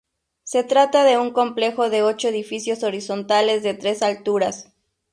Se trata de un complejo de ocho edificios horizontales de tres alturas.